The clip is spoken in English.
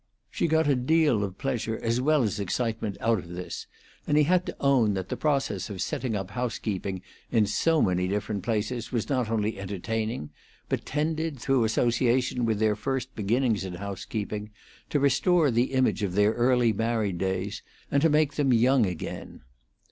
She got a deal of pleasure as well as excitement out of this, and he had to own that the process of setting up housekeeping in so many different places was not only entertaining, but tended, through association with their first beginnings in housekeeping, to restore the image of their early married days and to make them young again.